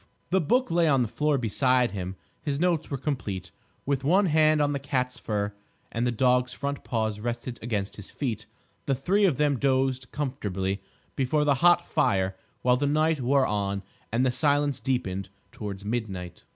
The book lay on the floor beside him, his notes were complete. With one hand on the cat's fur, and the dog's front paws resting against his feet, the three of them dozed comfortably before the hot fire while the night wore on and the silence deepened towards midnight.